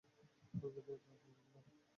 কিন্তু তা পারলাম না।